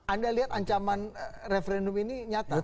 anda lihat ancaman referendum ini nyata